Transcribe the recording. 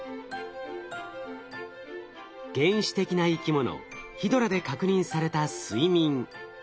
原始的な生きものヒドラで確認された睡眠。